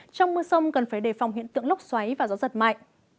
trong mưa sông cần phải đề phòng hiện tượng lốc xoáy và gió giật mạnh